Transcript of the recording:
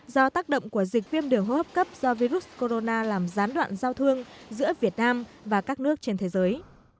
do tác động của dịch viêm đường hô hấp cấp do virus corona làm gián đoạn giao thương giữa việt nam và các nước trên thế giới